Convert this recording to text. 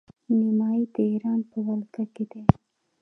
نیمايي د ایران په ولکه کې دی.